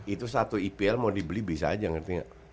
itu satu ipl mau dibeli bisa aja ngerti